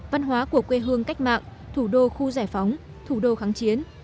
văn hóa của quê hương cách mạng thủ đô khu giải phóng thủ đô kháng chiến